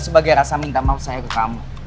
sebagai rasa minta maaf saya ke kamu